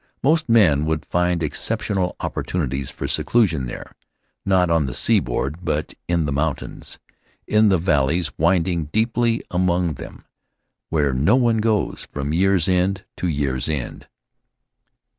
Most men would find exceptional opportunities for seclusion there; not on the seaboard but in the mountains; in the val leys winding deeply among them, where no one goes from year's end to year's end.